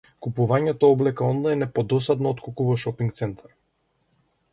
Купувањето облека онлајн е подосадно отколку во шопинг центар.